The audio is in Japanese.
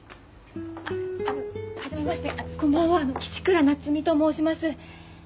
あのはじめましてこんばんは岸倉奈津美と申します。